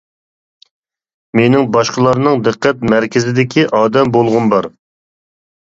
مېنىڭ باشقىلارنىڭ دىققەت مەركىزىدىكى ئادەم بولغۇم بار.